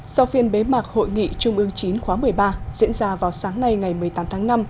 sau phiên bế mạc hội nghị trung ương chín khóa một mươi ba diễn ra vào sáng nay ngày một mươi tám tháng năm